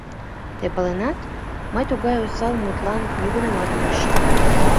Тый паленат, мый тугай осал мутлан нигунамат ом ӱшане.